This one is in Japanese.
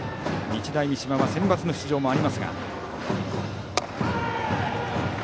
日大三島はセンバツの出場もありますが。